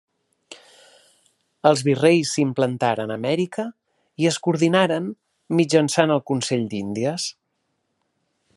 Els virreis s'implantaren a Amèrica i es coordinaren mitjançant el Consell d'Índies.